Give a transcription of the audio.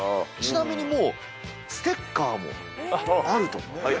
ちなみにもう、ステッカーもあると。